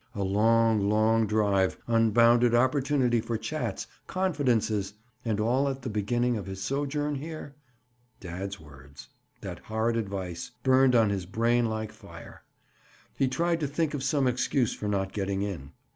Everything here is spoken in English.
A long, long drive—unbounded opportunity for chats, confidences!—and all at the beginning of his sojourn here? Dad's words—that horrid advice—burned on his brain like fire. He tried to think of some excuse for not getting in.